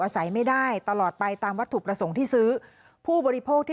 ใส่ไม่ได้ตลอดไปตามวัตถุประสงค์ที่ซื้อผู้บริโภคที่